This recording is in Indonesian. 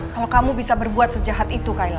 kalau kamu bisa berbuat sejahat itu kayla